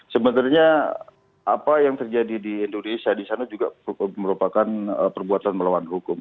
sebenarnya apa yang terjadi di indonesia di sana juga merupakan perbuatan melawan hukum